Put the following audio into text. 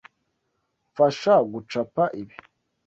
Mfasha gucapa ibi.